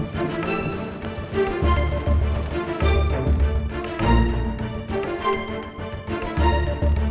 tungguin pindah pindah sana